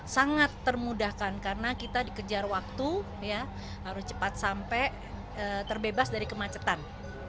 sangat termudahkan karena kita dikejar waktu harus cepat sampai terbebas dari kemacetan